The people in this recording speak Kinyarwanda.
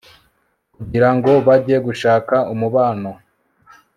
kugira ngo bajye gushaka umubano